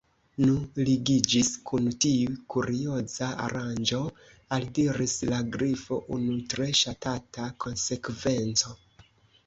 "Nu, ligiĝis kun tiu 'kurioza' aranĝo," aldiris la Grifo, "unu tre ŝatata konsekvenco. »